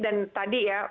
dan tadi ya